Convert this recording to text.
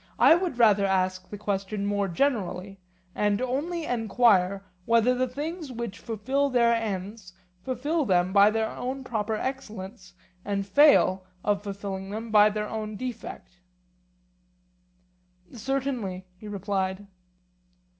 I would rather ask the question more generally, and only enquire whether the things which fulfil their ends fulfil them by their own proper excellence, and fail of fulfilling them by their own defect? Certainly, he replied.